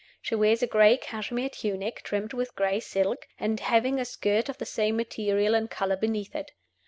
She wears a gray cashmere tunic trimmed with gray silk, and having a skirt of the same material and color beneath it.